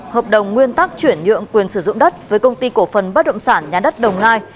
hợp đồng nguyên tắc chuyển nhượng quyền sử dụng đất với công ty cổ phần bất động sản nhà đất đồng nai